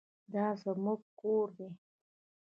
دا زموږ کور دی